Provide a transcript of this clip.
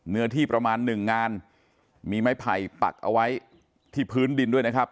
เนื้อที่ประมาณหนึ่งงานมีไม้ไผ่ปักเอาไว้ที่พื้นดินด้วยนะครับ